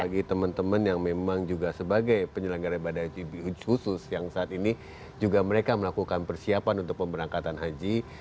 bagi teman teman yang memang juga sebagai penyelenggara ibadah haji khusus yang saat ini juga mereka melakukan persiapan untuk pemberangkatan haji